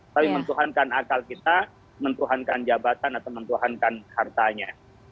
tapi mentuhankan akal kita mentuhankan jabatan atau mentuhankan hartanya